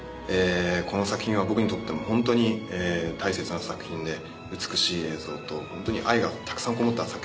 この作品は僕にとってもホントに大切な作品で美しい映像とホントに愛がたくさんこもった作品になってます。